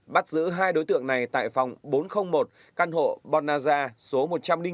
bắt giữ hai đối tượng này tại phòng bốn trăm linh một căn hộ bonaza số một trăm linh bốn